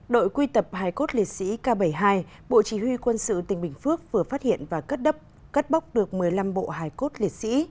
đội quy tập hải cốt liệt sĩ k bảy mươi hai bộ chỉ huy quân sự tỉnh bình phước vừa phát hiện và cất bóc được một mươi năm bộ hải cốt liệt sĩ